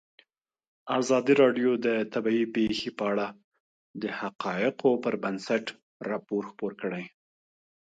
ازادي راډیو د طبیعي پېښې په اړه د حقایقو پر بنسټ راپور خپور کړی.